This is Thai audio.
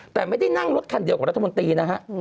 แต่ไม่ได้นั่งรถคันเดียวกับรัฐมนตรีนะฮะ